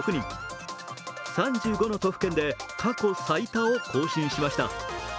３５の都府県で過去最多を更新しました。